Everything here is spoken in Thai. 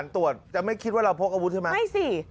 อย่าคิดไม่ว่าเราพกวิธี